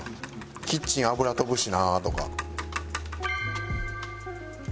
キッチン油飛ぶしなあとか。